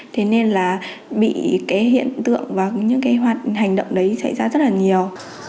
thế nên là bị cái hiện tượng và những cái hoạt hành động đấy xảy ra rất là nhiều